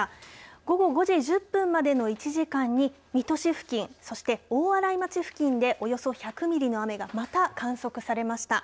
午後５時１０分までの１時間に水戸市付近、そして大洗町付近でおよそ１００ミリの雨がまた観測されました。